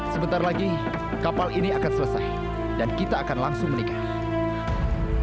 sebentar lagi kapal ini akan selesai dan kita akan langsung menikah